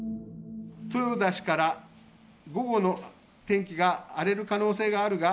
豊田氏から午後の天気が荒れる可能性があるが、